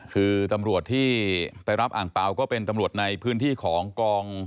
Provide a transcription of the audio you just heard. คือตำรวจที่ไปรับอ่างเปล่าก็เป็นตำรวจในพื้นที่ของกอง